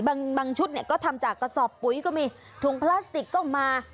บางชุดเนี่ยก็ทำจากกระสอบปุ๋ยก็มีถุงพลาสติกก็มา